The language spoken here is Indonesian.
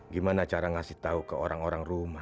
gimana cara ngasih tahu ke orang orang rumah